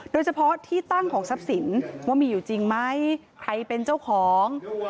โดยเฉพาะที่ตั้งของทรัพย์สินว่ามีอยู่จริงไหมใครเป็นเจ้าของ